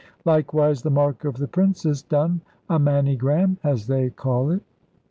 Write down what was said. Likewise the mark of the Princess done, a mannygram, as they call it."